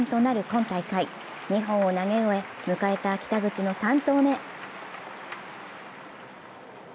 今大会、２本を投げ終え、迎えた北口の３投目。